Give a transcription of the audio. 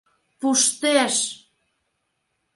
— Пуштеш!